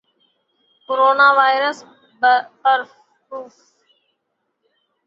corona virus پر ف